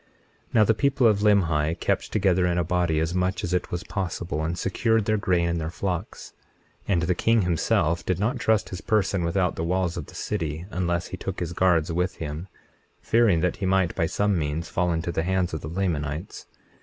21:18 Now the people of Limhi kept together in a body as much as it was possible, and secured their grain and their flocks; 21:19 And the king himself did not trust his person without the walls of the city, unless he took his guards with him, fearing that he might by some means fall into the hands of the Lamanites.